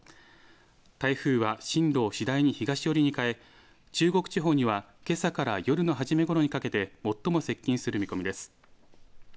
台風は進路を次第に東寄りに変え中国地方には、けさから夜の初めごろにかけて最も接近する見込みです。